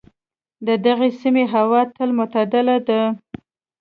د دغې سیمې هوا تل معتدله ده.